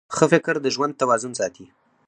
ښه فکر د ژوند توازن ساتي.